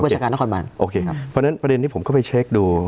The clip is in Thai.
ชาการนครบันโอเคครับเพราะฉะนั้นประเด็นที่ผมก็ไปเช็คดู